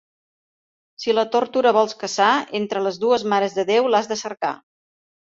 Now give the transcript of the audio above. Si la tórtora vols caçar, entre les dues Mares de Déu l'has de cercar.